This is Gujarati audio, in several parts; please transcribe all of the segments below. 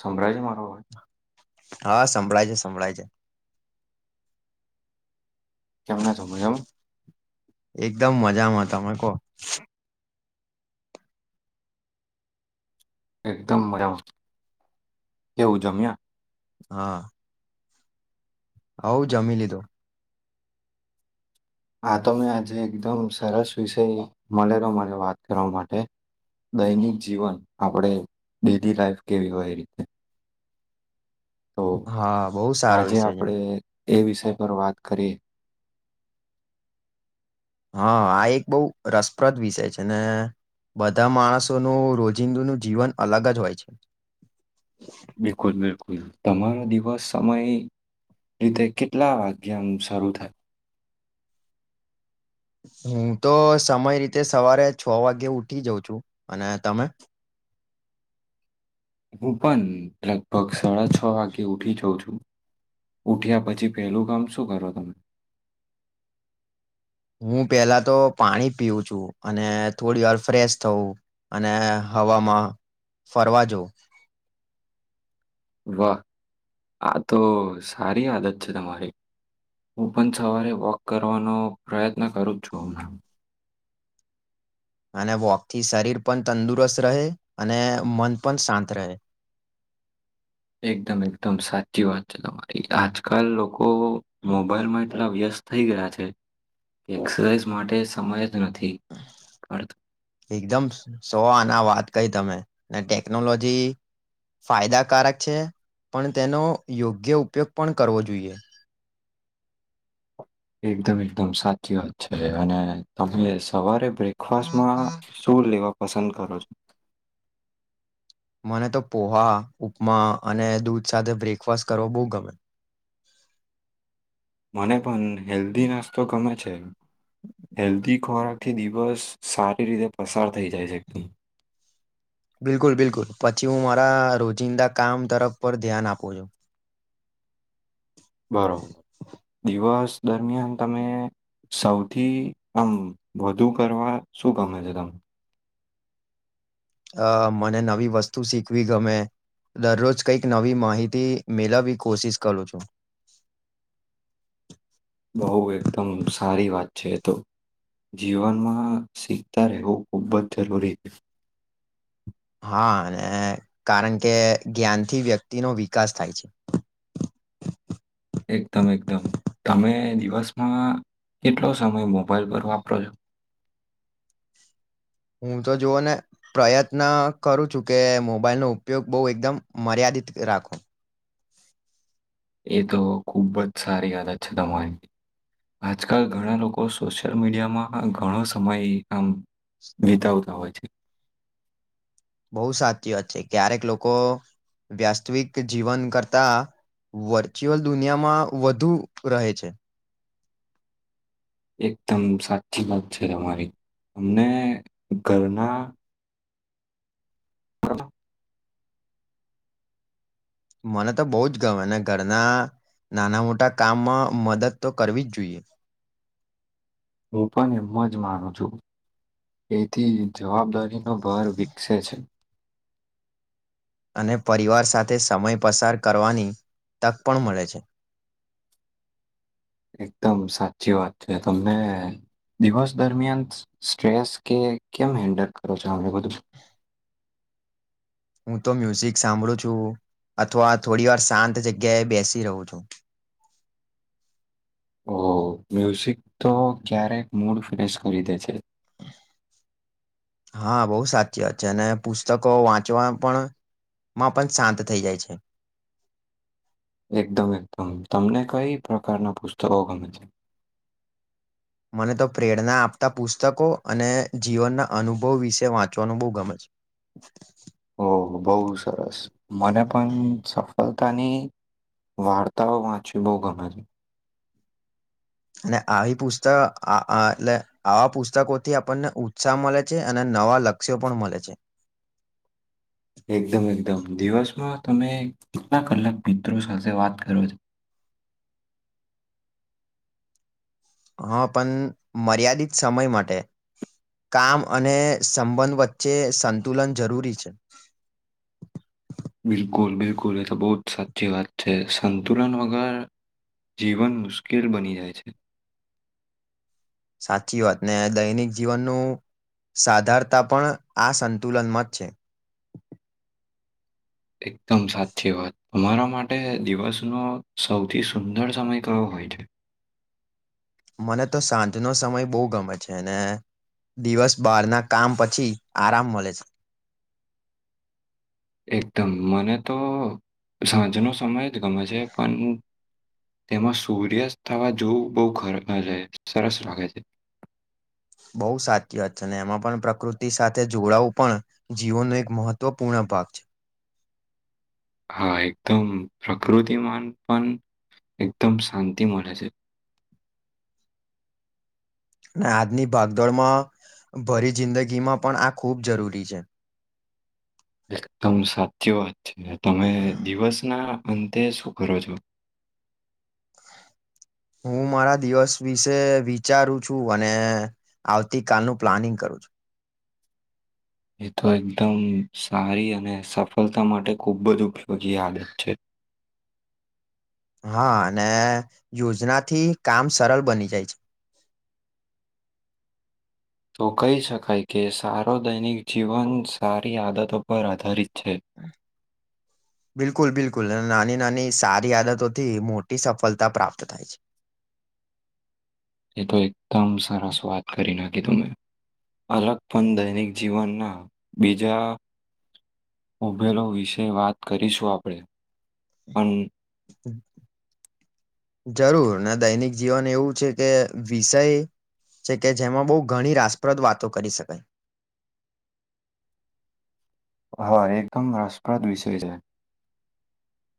સંભળાય છે મારો? અવાજ? હા સંભળાય છે. સંભળાય છે. કેમના છો? મજામાં? એકદમ મજામાં! તમે કહો. એકદમ મજામાં એવું. જમ્યા? હા હાવઉ જમી લીધું. હા તો મેં આજે એકદમ સરસ વિષય મળેલો મને વાત કરવા માટે. દૈનિક જીવન આપણે ડેલી લાઈફ કેવી હોય? એ રીતે તો હા બહુ સારો આજે વિષય છે આપણેે એ વિષય પર વાત કરીએ. હા આ એક બહુ રસપ્રદ વિષય છે અને બધા માણસોનું રોજીંદુનું જીવન અલગ જ હોય છે બિલકુલ બિલકુલ તમારો દિવસ સમય એટલે કેટલા વાગ્યા શરૂ થાય? હું તો સમય રીતે સવારે છ વાગે ઉઠી જાઉં છું. અને તમે? હું પણ લગભગ સાડા છ વાગ્યે ઊઠી જાઉં છું. ઉઠ્યા પછી પહેલું કામ શું કરો તમે? હું પહેલા તો પાણી પીવું છું અને થોડી વાર ફ્રેશ થાઉં અને હવા માં ફરવા જાઉં [inaudible] વાહ! આ તો સારી આદત છે તમારી. હું પણ સવારે વૉક કરવાનો પ્રયત્ન કરું છું હમણાં અને વૉકથી શરીર પણ તંદુરસ્ત રહે અને મન પણ શાંત રહે. એકદમ એકદમ સાચી વાત છે તમારી. આજકાલ લોક.. લોકો મોબાઈલમાં એટલા વ્યસ્ત થઈ ગયા છે. એક્સરસાઇઝ માટે સમય જ નથી કાઢતા. એકદમ સો આના વાત કહી તમે. અને ટેક્નોલોજી ફાયદાકારક છે પણ તેનો યોગ્ય ઉપયોગ પણ કરવો જોઈએ. એકદમ એકદમ સાચી વાત છે. અને તમે સવારે બ્રેકફાસ્ટમાં શું લેવા પસંદ કરો છો? મને તો પોહા, ઉપમા અને દૂધ સાથે બ્રેકફાસ્ટ કરવો. બહુ ગમે. મને પણ હેલ્ધી નાસ્તો ગમે છે હેલ્ધી ખોરાકથી દિવસ સારી રીતે પસાર થઈ જાય છે બિલકુલ-બિલકુલ પછી હું મારા રોજિંદા કામ તરફ પર ધ્યાન આપું [unintelligible] [inaudible] બરોબર. દિવસ દરમિયાન તમે સૌથી આમ વધુ કરવા શું ગમે છે તમે અ મને નવી વસ્તુ શીખવી ગમે દરરોજ કંઈક નવી માહિતી મેળવી કોશિશ કરું છું બો એકદમ સારી વાત છે એ તો‌ જીવનમાં શીખતા રહેવું ખૂબ જ જરૂરી હા ને કારણ કે જ્ઞાનથી વ્યક્તિનો વિકાસ થાય છે. એકદમ-એકદમ તમે દિવસમાં કેટલો સમય મોબાઈલ પર વાપરો છો. હું તો જોુવ ને પ્રયત્ન કરું છું કે, મોબાઈલ નો ઉપયોગ બહુ એકદમ મર્યાદિત દિત રાખો. એ તો ખૂબ જ સારી આદછ તમારી આજકાલ ઘણા લોકો સોશિયલ મીડિયામાં ઘણો સમય આમ વિતાવતા હોય છે. બો સાચી વાત છે ક્યારેક લોકો વયાસ્તવિક જીવન કરતા વર્ચ્યુઅલ દુનિયામાં વધુ રહે છે. એકદમ સાચી વાત છે તમારી, અમને ઘરના હ. મને તો બો જ ગમે ને ઘરના નાના મોટા કામમાં મદદ તો કરવી જ જોઈએ. હું પણ એમ જ માનું છું. તેથી જવાબદારીનો ભાર વિકસે છે. અને પરિવાર સાથે સમય પસાર કરવાની તક પણ મળે છે. એકદમ સાચી વાત છે તમને દિવસ દરમિયાન સ્ટ્રેસ કે કેમ હેન્ડલ કરો છો [unintelligible] બધું. [inaudible] હું તો મ્યુઝિક સાંભળું છું અથવા થોડી વાર શાંત જગ્યાએ બેસી રહું છું. [inaudible] ઓ મ્યુઝિક તો ક્યારેક મૂડ ફ્રેશ કરી દે છે. હા બો સાચી વાત છે અને પુસ્તકો વાંચવા પણ માં પણ શાંત થઈ જાય છે. [inaudible] એકદમ-એકદમ તમને કઈ પ્રકારના પુસ્તકો ગમે છે. મને તો પ્રેરણા આપતા પુસ્તકો અને જીવનના અનુભવ વિશે વાંચવાનું બો ગમે છે. ઓ બો સરસ મને પણ સફળતાની વાર્તાઓ વાંચી બો ગમે છે. અને આવી પુસ્ત આ-આ એટલે આવા પુસ્તકોથી આપણને ઉત્સાહ મલે છે અને નવા લક્ષ્યો પણ મલે છે. [inaudible] એકદમ-એકદમ, દિવસમાં તમે કેટલા કલાક મિત્રો સાથે વાત કરોજ હા પણ મર્યાદિત સમય માટે. કામ અને સંબંધ વચ્ચે સંતુલન જરૂરી છે. [inaudible] બિલકુલ-બિલકુલ એ તો બો સાચી વાત છે, સંતુલન વગર જીવન મુશ્કેલ બની જાય છે. સાચી વાત ને દૈનિક જીવનનું સાધારતા પણ આ સંતુલનમાં જ છે. [inaudible] એકદમ સાચી વાત તમારા માટે દિવસનો સૌથી સુંદર સમય કયો હો. હોટ. મને તો સાંજનો સમય બહુ ગમે છે ને. દિવસ બહારના કામ પછી આરામ મળે છે [inaudible] [inaudible] એકદમ મને તો સાંજનો સમય જ ગમે છે પણ. તેમાં સૂર્યસ્ત થવા જોવું બહુ સરસ લાગે છે. [inaudible] બઉુ સાચી વાત છે અને એમાં પણ પ્રકૃતિ સાથે જોડાવું પણ જીવનનું એક મહત્વપૂર્ણ વિ પાાગ છે હા એકદમ પ્રકૃતિમાન પણ એકદમ શાંતિ મળે છે અને આજની ભાગદોડમાં ભરી જિંદગીમાં પણ આ ખૂબ જરૂરી છે એકદમ સાચી વાત છે તમે દિવસ ના અંતે શું કરો છો હું મારા દિવસ વિશે વિચારું છું અને આવતી કલનું પ્લાનિંગ કરું છ બ? એ તો એકદમ સારી અને સફળતા માટે ખૂબ જ ઉપયોગી આદત છે [inaudible] હા અને યોજનાથી કામ સરળ બની જાય છે [inaudible] તો કહી શકાય કે સારો દૈનિક જીવન સારી આદતો પર આધારિત છે. બિલકુલ બિલકુલ હ નાની નાની સારી આદતોથી મોટી સફળતા પ્રાપ્ત થાય છે. એ તો એકદમ સરાર સ્વાદ કરીને અલગ પણ દૈનિક જીવનના બીજા ઉભેલો વિશે વાત કરીશું આપણેે, પણ હમ. જરૂર ના દૈનિક જીવન એવું છે કે વિષય છે કે જેમાં બહુ ઘણી રાસપ્રદ વાતો કરી શકાય. [inaudible] હા એકદમ રસપ્રદ વિષય છે,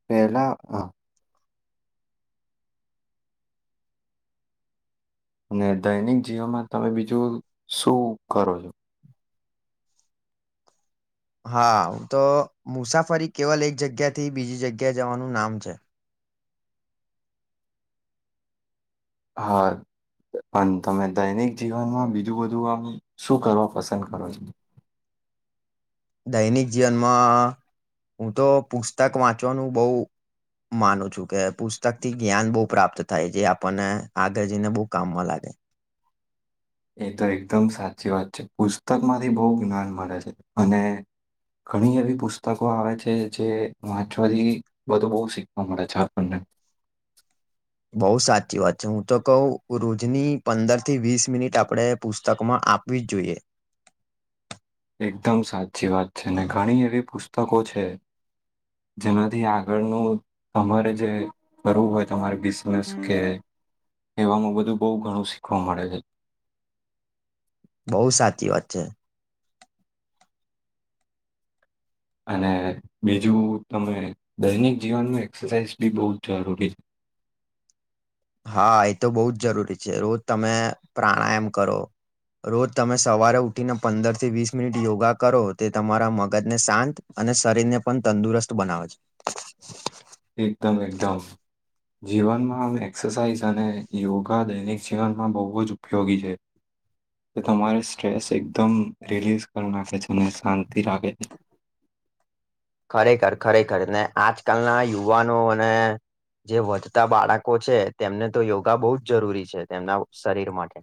પેલા અને દૈનિક જીવનમાં તમે બીજું શું કરો છો? હા તો મુસાફરી કેવલ એક જગ્યા થી બીજી જગ્યાએ જવાનું નામ છે. હા. પણ તમે દૈનિક જીવનમાં બીજું બધું આમ શું કરવા પસંદ કરો છો? દૈનિક જીવનમાં, હું તો પુસ્તક વાંચવાનું બહ હ માનું છું કે પુસ્તક થી જ્ઞાન બહુ પ્રાપ્ત થાય જે આપણને આગળ જઈને બહુ કામમાં લાગે. [inaudible] એ તો એકદમ સાચી વાત છે પુસ્તક માંથી બહુ જ્ઞાન મળે છે અને ઘણી એવી પુસ્તકો આવે છે જે વાંચવાથી બધું બહુ શીખવા મળે છે આપણને. [inaudible] બઉુ સાચી વાત છે હું તો કહ રોજની પંદર થી વીસ મિનિટ આપણે પુસ્તકમાં આપવી જ જોઈએ. [inaudible] એકદમ સાચી વાત છે ને ઘણી એવી પુસ્તકો છે. જેનાથી આગળનું તમારે જે કરવું હોય તમારે બિઝનેસ કે એવામાં બધું બહુ ઘણું શીખવા મળે છે. બહુ સાચી વાત છે. અને બીજું તમે દૈનિક જીવનમાં એક્સરસાઇઝ બી બહુ જ જરૂરી છે. [inaudible] હા એ તો બહુ જ જરૂરી છે રોજ તમે પ્રાણાયામ કરો રોજ તમે સવારે ઉઠીને પંદર થી વીસ મિનિટ યોગા કરો તે તમારા મગજને શાંત અને શરીર ને પણ તંદુરસ્ત બનાવે છે. એકદમ એકદમ જીવનમાં આમ એક્સરસાઇઝ અને યોગા દૈનિક જીવનમાં બહુ જ ઉપયોગી છે. તો તમારે સ્ટ્રેસ એકદમ રિલીઝ કરી નાખે છે અને શાંતિ રાખે છે. ખરેખર ખરેખર ને આજકાલના યુવાનો અને જે વધતા બાળકો છે તેમને તો યોગા બહુ જ જરૂરી છે તેમના શરીર માટે.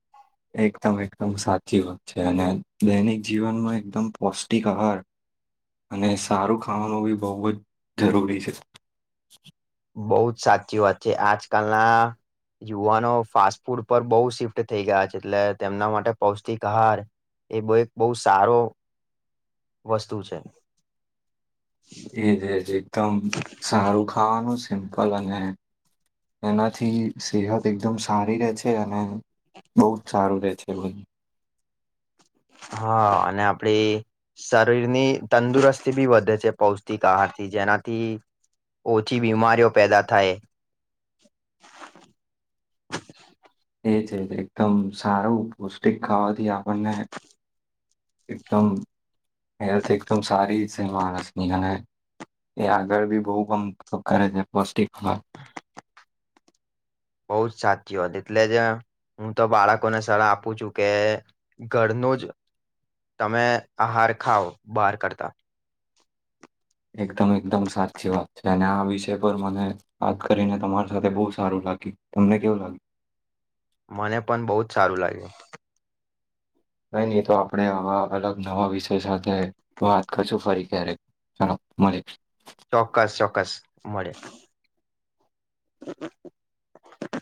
[inaudible] એકદમ એકદમ સાચી વાત છે અને દૈનિક જીવનમાં એકદમ પૌષ્ટિક આહાર અને સારું ખાવાનું બી બહુ જ જરૂરી છે. બહુ જ સાચી વાત છે આજકાલના યુવાનો ફાસ્ટ ફૂડ પર બહુ શિફ્ટ થઈ ગયા છે એટલે તેમના માટે પૌષ્ટિક આહાર એ બ એક બહુ સારો વસ્તુ છે. એ દેજ એકદમ સારું ખાવાનું સિમ્પલ અને એનાથી સેહત એકદમ સારી રહે છે અને બહ જ સારું રે છે એ ભ હા અને આપડી શરીરની તંદુરસ્તી બી વધે છે પૌષ્ટિક આહારથી જેનાથી ઓછી બીમારીઓ પેદા થાય. [inaudible] એ છે એકદમ સારું પૌષ્ટિક ખાવાથી આપણને એકદમ હેલ્થ એકદમ સારી સહેમાસમીન એ આગળ બી બહુ કમ કરે છે પૌષ્ટિકાર બઉ જ સાચી હોત એટલે જ હું તો બાળકોને સરળહ આપું છું કે ઘરનું જ તમે આહાર ખાાવ બહાર કરતા એકદમ એકદમ સાચી વાત છે અને આ વિષય પર મને વાત કરીને તમારી સાથે બહુ સારું લાગી તમને કેવ લાગે મને પણ બહુ જ સારું લાગ્યું ક નહી તો આપણે આવા અલગ નવા વિષય સાથે વાત કરશું ફરી ક્યારેક ચાલોમ ચોક્કસ ચોક્કસ મળે.